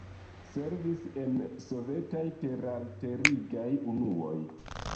Servis en sovetaj teralterigaj unuoj.